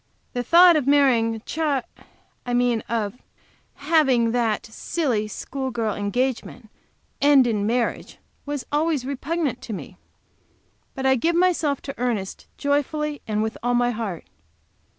The thought of marrying Ch , I mean of having that silly, school girl engagement end in marriage, was always repugnant to me. But I give myself to Ernest joyfully and with all my heart.